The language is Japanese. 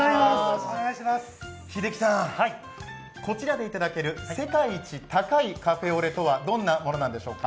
秀紀さん、こちらで頂ける世界一高いカフェオレとはどんなものでしょうか？